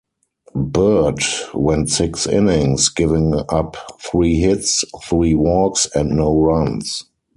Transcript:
Byrd went six innings, giving up three hits, three walks and no runs.